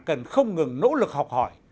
cần không ngừng nỗ lực học hỏi